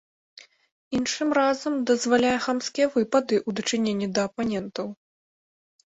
Іншым разам дазваляе хамскія выпады ў дачыненні да апанентаў.